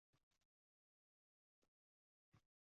Metroq zax tuproq odamlarni biroz bosib turganday tuyuladi.